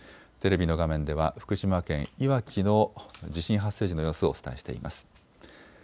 テレビの画面では福島県いわきの地震発生時の様子をお伝えしています。